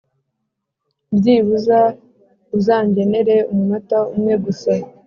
Byibura uzangenere umunota umwe gusa